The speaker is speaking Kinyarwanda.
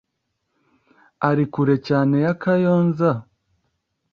Ari kure cyane ya Kayonza?